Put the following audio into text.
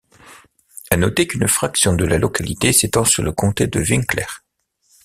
À noter qu’une fraction de la localité s’étend sur le comté de Winkler.